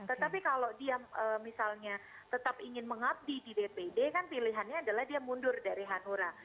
tetapi kalau dia misalnya tetap ingin mengabdi di dpd kan pilihannya adalah dia mundur dari hanura